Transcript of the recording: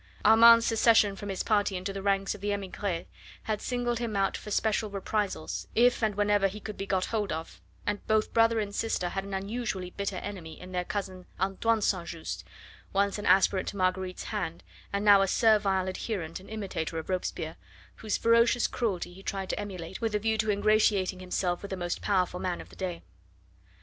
Armand's secession from his party into the ranks of the emigres had singled him out for special reprisals, if and whenever he could be got hold of, and both brother and sister had an unusually bitter enemy in their cousin Antoine St. Just once an aspirant to Marguerite's hand, and now a servile adherent and imitator of Robespierre, whose ferocious cruelty he tried to emulate with a view to ingratiating himself with the most powerful man of the day.